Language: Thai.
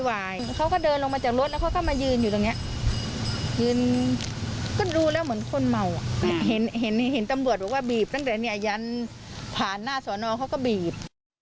เห็นเห็นตำรวจบอกว่าบีบตั้งแต่เนี่ยยันผ่านหน้าสอนอเขาก็บีบ